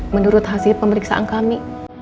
menurut hasil pemeriksaan kami